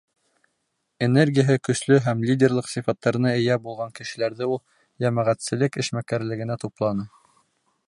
— Энергияһы көслө һәм лидерлыҡ сифаттарына эйә булған кешеләрҙе ул йәмәғәтселек эшмәкәрлегенә тупланы.